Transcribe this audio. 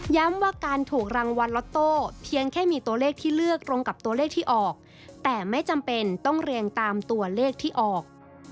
ย้ำว่าการถูกรางวัลล็อตโต้เพียงแค่มีตัวเลขที่เลือกตรงกับตัวเลขที่ออก